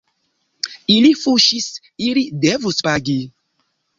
Ili fuŝis, ili devus pagi.